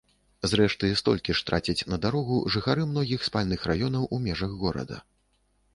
Зрэшты, столькі ж трацяць на дарогу жыхары многіх спальных раёнаў у межах горада.